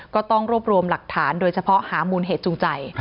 ก็ต้องรวบรวมหลักฐานโดยเฉพาะหามูลเหตุจูงใจ